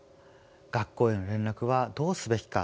学校への連絡はどうすべきか。